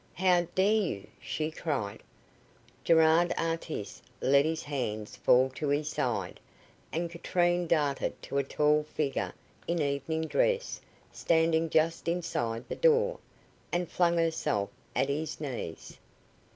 "How dare you!" she cried. Gerard Artis let his hands fall to his side, and Katrine darted to a tall figure in evening dress standing just inside the door, and flung herself at his knees.